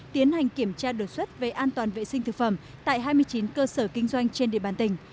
tiến hành kiểm tra đột xuất về an toàn vệ sinh thực phẩm tại hai mươi chín cơ sở kinh doanh trên địa bàn tỉnh